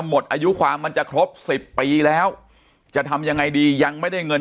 หมดอายุความมันจะครบสิบปีแล้วจะทำยังไงดียังไม่ได้เงิน